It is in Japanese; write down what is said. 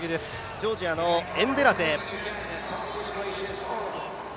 ジョージアのエンデラゼ。